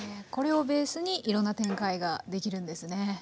これをベースにいろんな展開ができるんですね。